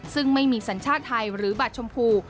ซึ่งไม่มีสัญชาติไทยหรือบัตรชมพู